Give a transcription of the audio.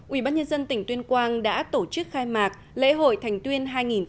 ubnd tỉnh tuyên quang đã tổ chức khai mạc lễ hội thành tuyên hai nghìn một mươi bảy